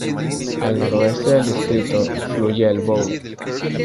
Al noroeste del distrito fluye el Bode.